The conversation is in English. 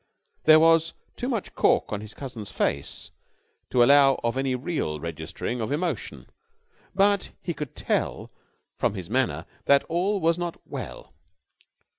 There was too much cork on his cousin's face to allow of any real registering of emotion, but he could tell from his manner that all was not well.